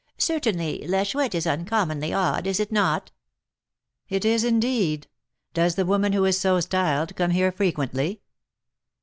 Certainly La Chouette is uncommonly odd; is it not?" "It is, indeed. Does the woman who is so styled come here frequently?"